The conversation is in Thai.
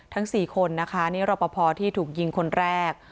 ทั้งสี่คนนะคะนี่รปภที่ถูกยิงคนแรก